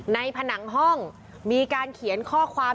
ผนังห้องมีการเขียนข้อความ